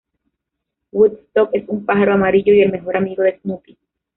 Woodstock es un pájaro amarillo y el mejor amigo de Snoopy.